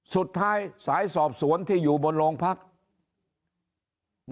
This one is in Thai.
สุดท้ายสายสอบสวนที่อยู่บนโรงพักษณ์